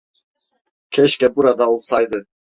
Keşke burada olsaydı.